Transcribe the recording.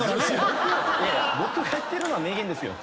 僕が言ってるのは名言ですよ。